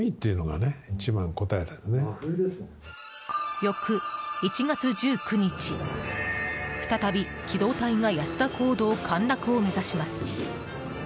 翌１月１９日、再び機動隊が安田講堂陥落を目指します。